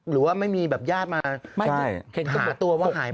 หรือว่าไม่มีแบบญาติมาหาตัวว่าหายไป